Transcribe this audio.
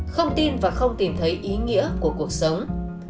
không tin và không tìm thấy ý nghĩa của cuộc sống